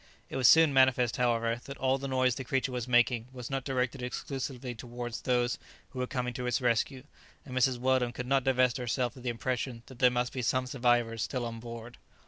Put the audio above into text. It was soon manifest, however, that all the noise the creature was making was not directed exclusively towards those who were coming to its rescue, and Mrs. Weldon could not divest herself of the impression that there must be some survivors still on board.